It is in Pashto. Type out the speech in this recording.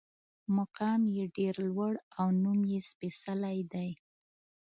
مقام یې ډېر لوړ او نوم یې سپېڅلی دی.